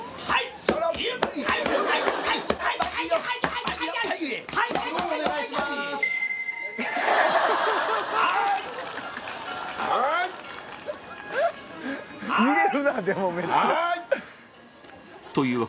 はい。